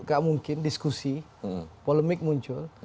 gak mungkin diskusi polemik muncul